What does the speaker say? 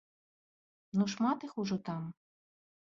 Ну шмат іх ужо там.